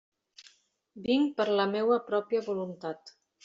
Vinc per la meua pròpia voluntat.